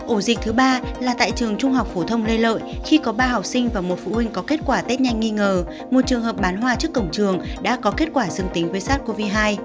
ổ dịch thứ ba là tại trường trung học phổ thông lê lợi khi có ba học sinh và một phụ huynh có kết quả tết nhanh nghi ngờ một trường hợp bán hoa trước cổng trường đã có kết quả dương tính với sars cov hai